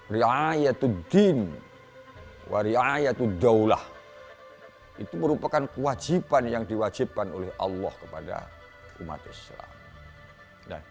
ri'ayatuddin wa ri'ayatuddaulah itu merupakan kewajiban yang diwajibkan oleh allah kepada umatnya